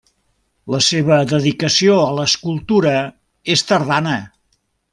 La seva dedicació a l'escultura és tardana.